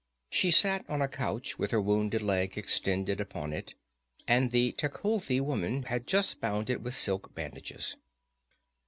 She sat on a couch with her wounded leg extended upon it, and the Tecuhltli woman had just bound it with silk bandages.